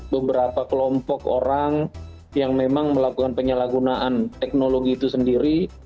beberapa kelompok orang yang memang melakukan penyalahgunaan teknologi itu sendiri